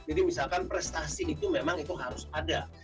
jadi misalkan prestasi itu memang itu harus ada